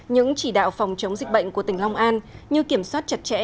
những chỉ đạo phòng chống dịch bệnh của tỉnh long an như kiểm soát chặt chẽ